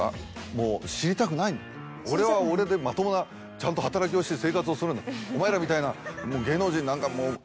もう知りたくない「俺は俺でまともなちゃんと働きをして生活をするんだお前らみたいな」。